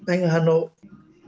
anh ở hà nội